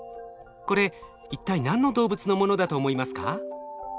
これ一体何の動物のものだと思いますか？